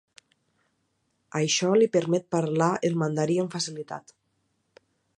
Això li permet parlar el Mandarí amb facilitat.